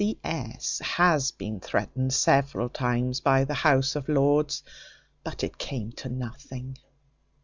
C S has been threatened several times by the House of L ; but it came to nothing.